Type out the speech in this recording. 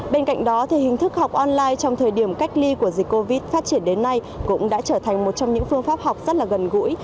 bên cạnh đó thì hình thức học online trong thời điểm cách ly của dịch covid phát triển đến nay cũng đã trở thành một trong những phương pháp học rất là gần gũi